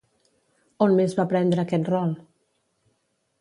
On més va prendre aquest rol?